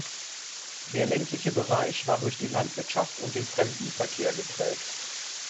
Der ländliche Bereich war durch die Landwirtschaft und den Fremdenverkehr geprägt.